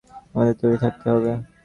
আমাদের তৈরি থাকতে হবে।